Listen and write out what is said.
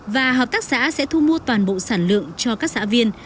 và hợp tác xã sẽ thu mua toàn bộ sản lượng cho các xã viên